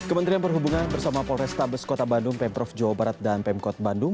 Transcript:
kementerian perhubungan bersama polrestabes kota bandung pemprov jawa barat dan pemkot bandung